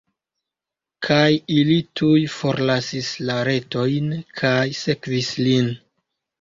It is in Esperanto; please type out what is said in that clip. Kaj ili tuj forlasis la retojn, kaj sekvis lin.